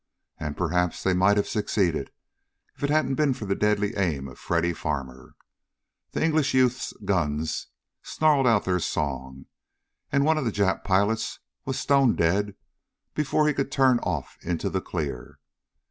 And perhaps they might have succeeded if it hadn't been for the deadly aim of Freddy Farmer. The English youth's guns snarled out their song, and one of the Jap pilots was stone dead before he could turn off into the clear.